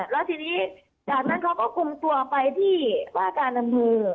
แล้วทีนี้จากนั้นเขาก็คุมตัวไปที่ว่าการอำเภอ